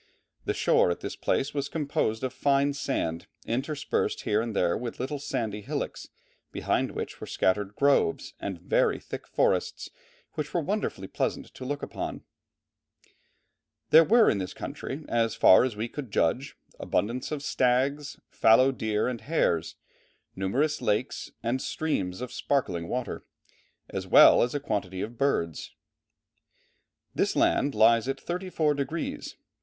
The shore at this place was composed of fine sand interspersed here and there with little sandy hillocks, behind which were scattered "groves and very thick forests which were wonderfully pleasant to look upon." There were in this country, as far as we could judge, abundance of stags, fallow deer and hares, numerous lakes, and streams of sparkling water, as well as a quantity of birds. This land lies at 34 degrees.